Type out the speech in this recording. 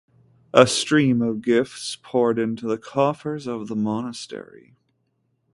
A stream of gifts poured into the coffers of the monastery.